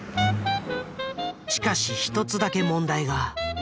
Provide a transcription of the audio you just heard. しかし一つだけ問題が。